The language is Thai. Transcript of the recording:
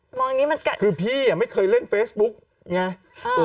มองอย่างงี้มันกัดคือพี่อ่ะไม่เคยเล่นเฟซบุ๊กไง